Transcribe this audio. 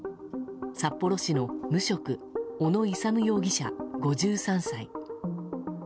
札幌市の無職小野勇容疑者、５３歳。